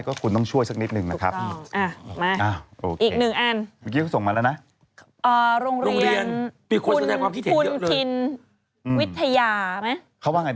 ก็คุณต้องช่วยสักนิดนึงนะครับ